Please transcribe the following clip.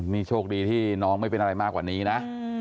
นี่โชคดีที่น้องไม่เป็นอะไรมากกว่านี้นะ